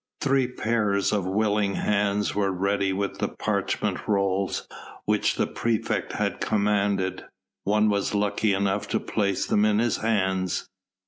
Three pairs of willing hands were ready with the parchment rolls which the praefect had commanded; one was lucky enough to place them in his hands.